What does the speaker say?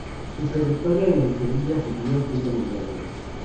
Su trayectoria en el Sevilla siguió siendo brillante.